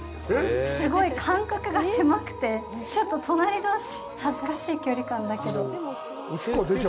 すごい間隔が狭くて、ちょっと隣同士、恥ずかしい距離感だけど。